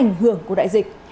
ảnh hưởng của đại dịch